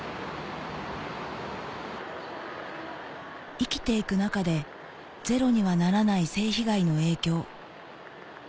生きて行く中でゼロにはならない性被害の影響